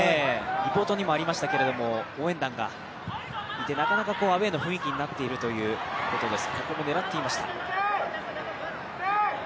リポートにもありましたけれども、応援団がいて、なかなかアウェーの雰囲気になっているということです。